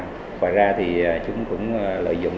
ngoài ra chúng cũng lợi dụng